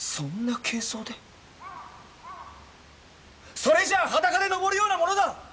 それじゃあ裸で登るようなものだ！